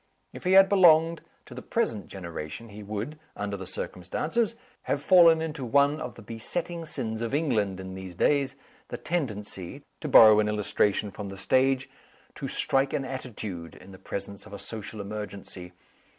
If he had belonged to the present generation he would, under the circumstances, have fallen into one of the besetting sins of England in these days the tendency (to borrow an illustration from the stage) to "strike an attitude" in the presence of a social emergency.